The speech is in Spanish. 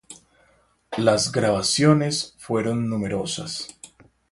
Las grabaciones fueron numerosas.